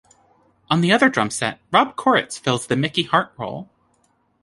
On the other drum set, Rob Koritz, fills the Mickey Hart role.